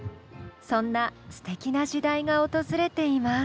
そんなすてきな時代が訪れています。